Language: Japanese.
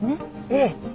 ええ。